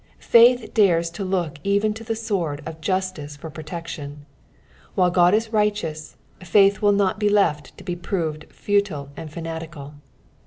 Faith dares to look even to the sword of justice for jiroteclion : while Ood is righteous, faith will not bo left to he proved futile and fanatical.